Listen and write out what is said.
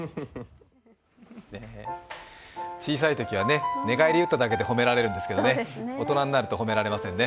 小さいときは寝返り打っただけで褒められるんですけどね、大人になると褒められませんね。